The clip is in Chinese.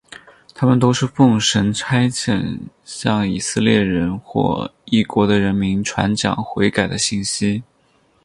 他们都是奉神差遣向以色列人或异国的人民传讲悔改的信息。